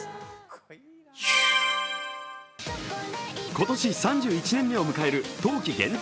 今年３１年目を迎える冬季限定